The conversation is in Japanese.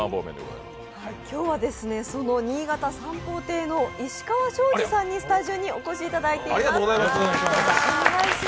今日は新潟三宝亭の石川昭二さんにスタジオにお越しいただいています。